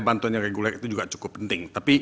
bantuan yang reguler itu juga cukup penting